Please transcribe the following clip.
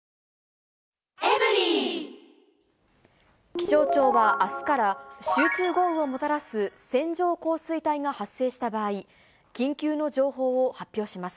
気象庁はあすから集中豪雨をもたらす線状降水帯が発生した場合、緊急の情報を発表します。